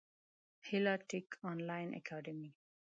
هیله ټېک انلاین اکاډمي